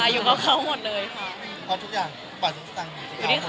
พอทุกอย่างต่อกับเค้าค่ะ